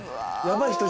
やばい人！